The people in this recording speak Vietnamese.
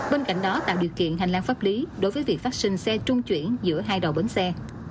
bên cạnh đó tạo điều kiện hành lang pháp lý đối với việc phát sinh xe trung chuyển giữa hai đầu bến xe